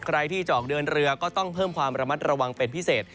ใครที่จะออกเดินเรือก็ต้องเพิ่มความระมัดระวังเป็นพิเศษ